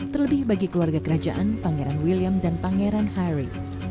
terlebih bagi keluarga kerajaan pangeran william dan pangeran harry